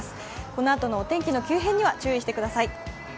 このあとのお天気の急変には注意してください。